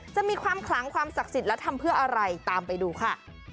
จะมีความขลังความศักดิ์สิทธิ์และทำเพื่ออะไรตามไปดูค่ะ